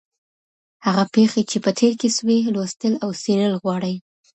هغه پېښې چي په تېر کي سوې، لوستل او څېړل غواړي.